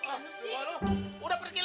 aduh udah pergi lu